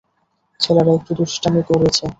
ছেলেরা একটু দুষ্টামি করেছে।